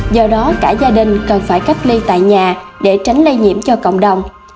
do đó cả gia đình cần phải cách ly tại nhà để tránh lây nhiễm cho cộng đồng